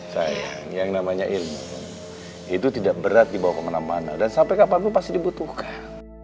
sayang yang namanya ilmu itu tidak berat dibawa kemana mana dan sampai kapanpun pasti dibutuhkan